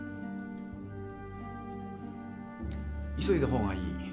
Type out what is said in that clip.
急いだ方がいい。